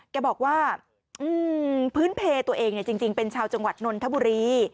แกบอกว่าพื้นเพลตัวเองจริงเป็นชาวจังหวัดนนทบุรี